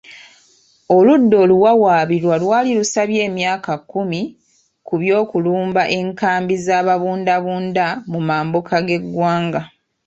Oludda oluwawaabirwa lwali lusabye emyaka kumi ku by'okulumba enkambi z'ababundabunda mu mambuka g'eggwanga .